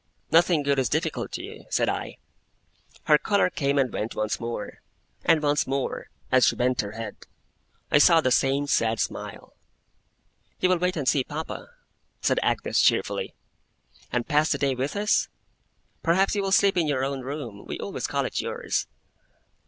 'Nothing good is difficult to you,' said I. Her colour came and went once more; and once more, as she bent her head, I saw the same sad smile. 'You will wait and see papa,' said Agnes, cheerfully, 'and pass the day with us? Perhaps you will sleep in your own room? We always call it yours.